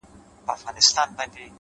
خپل کار په غوره ډول ترسره کړئ؛